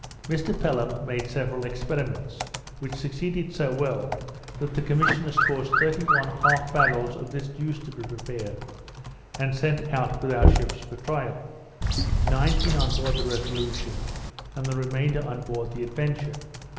Mr Pelham made several experiments, which succeeded so well, that the commissioners caused thirty one half barrels of this juice to be prepared, and sent out with our ships for trial; nineteen on board the Resolution, and the remainder on board the Adventure.